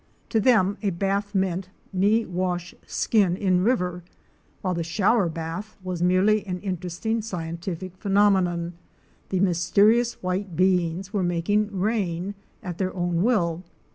To them a bath meant ''me wash skin in river''; while the shower bath was merely an interesting scientific phenomenon — the mysterious white beings were making rain at their own will!